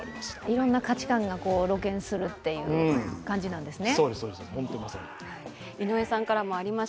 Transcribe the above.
いろんな価値観が露顕するという感じなんですね。